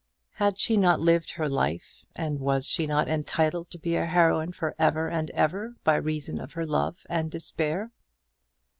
Had she not lived her life, and was she not entitled to be a heroine for ever and ever by reason of her love and despair?